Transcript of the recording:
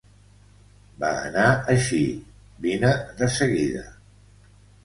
Va anar així: vine de seguida.